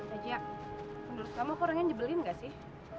ajak menurut kamu kok orangnya nyebelin nggak sih